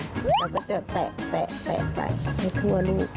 เราก็จะแตะให้ทั่วรูป